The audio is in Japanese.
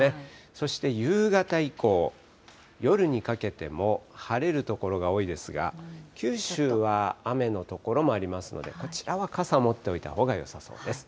そして夕方以降、夜にかけても晴れる所が多いですが、九州は雨の所もありますので、こちらは傘持っておいたほうがよさそうです。